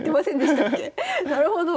なるほど。